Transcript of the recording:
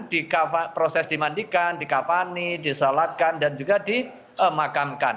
dengan proses dimandikan dikavani disalatkan dan juga dimakamkan